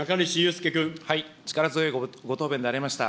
力強いご答弁でありました。